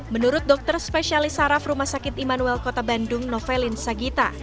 menurut dokter spesialis saraf rumah sakit immanuel kota bandung novelin sagita